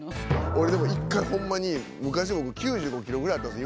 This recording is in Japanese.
俺でも一回ほんまに昔僕９５キロぐらいあったんです。